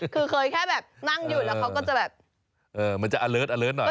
คือเคยแค่แบบนั่งอยู่แล้วเขาก็จะแบบมันจะอเลิศอเลิศหน่อย